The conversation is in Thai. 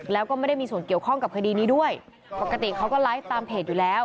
แล้วก็ไม่ได้มีส่วนเกี่ยวข้องกับคดีนี้ด้วยปกติเขาก็ไลฟ์ตามเพจอยู่แล้ว